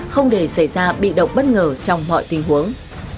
không để xảy ra bị động bất ngờ trong mọi tình huống